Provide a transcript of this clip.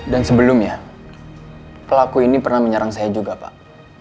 dan sebelumnya pelaku ini pernah menyerang saya juga pak